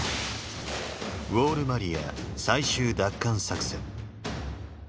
ウォール・マリア最終奪還作戦。